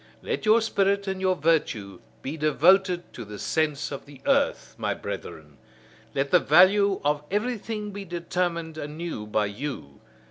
Let your spirit and your virtue be devoted to the sense of the earth, my brethren: let the value of everything be determined anew by you!